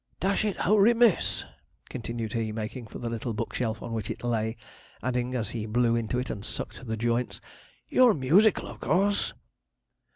Dash it, how remiss!' continued he, making for the little bookshelf on which it lay; adding, as he blew into it and sucked the joints, 'you're musical, of course?'